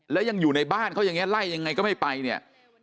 แล้วยังอยู่ในบ้านเขายังไงไล่ยังไงก็ไม่ไป